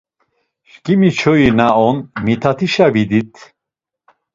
Şǩimi çoyi na on Mitatişa vit̆it.